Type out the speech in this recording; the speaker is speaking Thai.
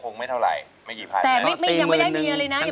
ร้องได้ให้ร้อง